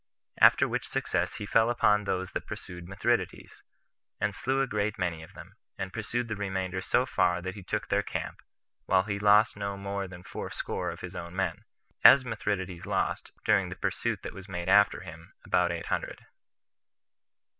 After which success he fell upon those that pursued Mithridates, and slew a great many of them, and pursued the remainder so far that he took their camp, while he lost no more than fourscore of his own men; as Mithridates lost, during the pursuit that was made after him, about eight hundred.